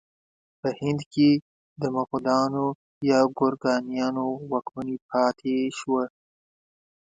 په هند کې د مغلانو یا ګورکانیانو واکمني پاتې شوه.